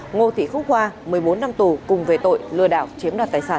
ngô thị khúc hoa một mươi bốn năm tù cùng về tội lừa đảo chiếm đoạt tài sản